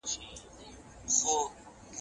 سياسي بهير د وخت په تېرېدو بدلون مومي.